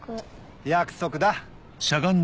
約束だ。